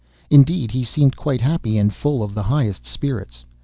Indeed he seemed quite happy and full of the highest spirits.